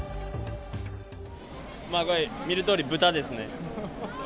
見るとおり、豚ですね。